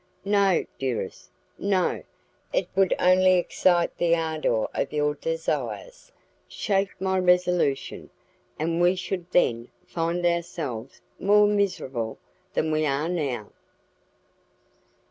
"No, dearest, no; it would only excite the ardour of your desires, shake my resolution, and we should then find ourselves more miserable than we are now."